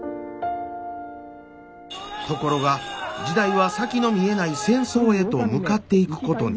ところが時代は先の見えない戦争へと向かっていくことに。